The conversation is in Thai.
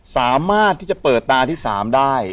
สามารถที่จะเปิดตาที่๓ได้